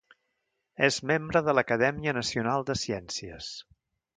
És membre de l'Acadèmia Nacional de Ciències.